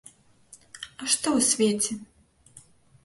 А што ў свеце?